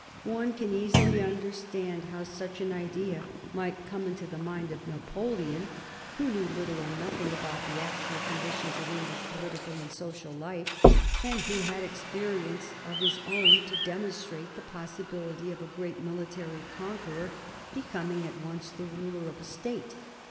One can easily understand how such an idea might come into the mind of Napoleon, who knew little or nothing about the actual conditions of English political and social life, and who had experience of his own to demonstrate the possibility of a great military conqueror becoming at once the ruler of a State.